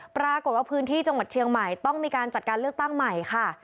ปรากฏว่าพื้นที่จังหวัดเชียงใหม่ต้องมีการจัดการเลือกตั้งใหม่ค่ะ